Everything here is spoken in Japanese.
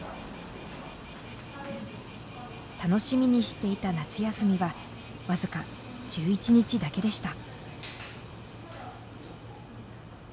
楽しみにしていた夏休みは僅か１１日だけでした。